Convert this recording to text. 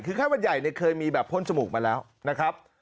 คือไข้วันใหญ่เนี่ยเคยมีแบบพ่นจมูกมาแล้วนะครับ